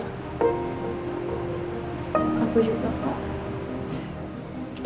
aku juga pak